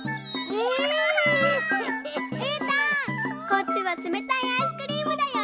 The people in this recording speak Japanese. こっちはつめたいアイスクリームだよ。